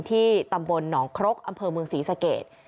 ที่ตำบลหนองครกอำเภอเมืองศรีสเกต